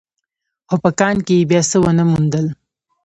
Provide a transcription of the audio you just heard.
خو په کان کې يې بيا څه ونه موندل.